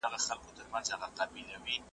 تور او سور زرغون ویاړلی بیرغ غواړم .